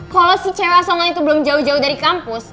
kalau si cewek asongan itu belum jauh jauh dari kampus